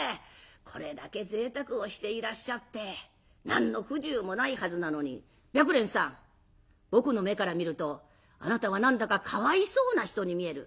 これだけ贅沢をしていらっしゃって何の不自由もないはずなのに白蓮さん僕の目から見るとあなたは何だかかわいそうな人に見える。